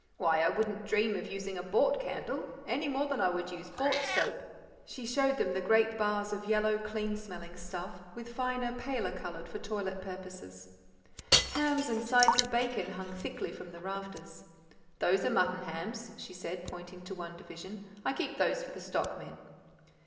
"Why, I wouldn't dream of using a bought candle, any more than I would use bought soap." She showed them the great bars of yellow, clean smelling stuff, with finer, paler coloured for toilet purposes. Hams and sides of bacon hung thickly from the rafters. "Those are mutton hams," she said, pointing to one division. "I keep those for the stockmen."